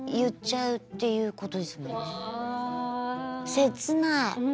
切ない。